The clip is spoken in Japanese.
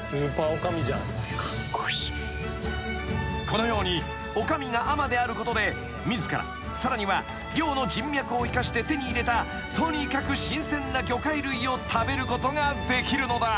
［このように女将が海女であることで自らさらには漁の人脈を生かして手に入れたとにかく新鮮な魚介類を食べることができるのだ］